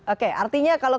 oke artinya kalau